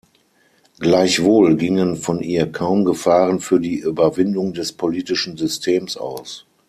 Gleichwohl gingen von ihr kaum Gefahren für die „Überwindung des politischen Systems“ aus.